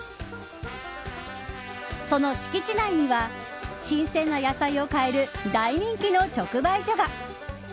その敷地内には新鮮な野菜を買える大人気の直売所が。